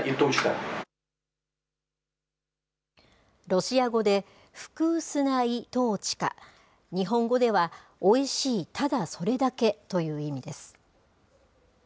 ロシア語でフクースナ・イ・トーチカ、日本語では、おいしい・ただそれだけという意味です。